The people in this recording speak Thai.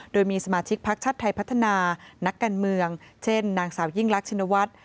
โดยมีสมาชิกพรรคชัดไทยพัฒนานักการเมืองเช่นนางสาวยิ่งลักษณวรรษ